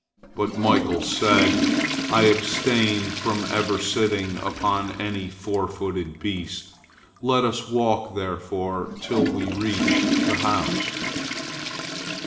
But Michael said, "I abstain from ever sitting upon any fourfooted beast, let us walk therefore, till we reach the house."